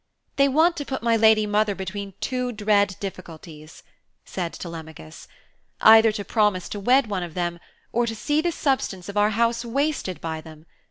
'They want to put my lady mother between two dread difficulties,' said Telemachus, 'either to promise to wed one of them or to see the substance of our house wasted by them.